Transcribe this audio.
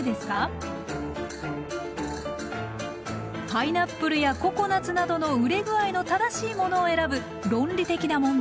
パイナップルやココナツなどの熟れ具合の正しいものを選ぶ論理的な問題。